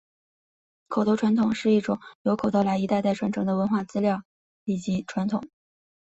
口头传统是一种由口头来一代代传播的文化资料及传统。